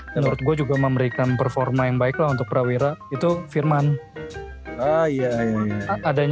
dan menurut gue juga memberikan performa yang baik lah untuk prawira itu firman